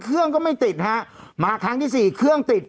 เครื่องก็ไม่ติดฮะมาครั้งที่สี่เครื่องติด